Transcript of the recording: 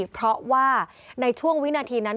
เพราะว่าในช่วงวินาทีนั้น